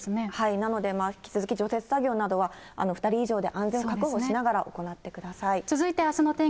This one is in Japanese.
なので、引き続き除雪作業などは、２人以上で安全確保しながら行ってください。